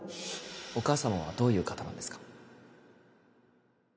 お母様はどういう方なんですか？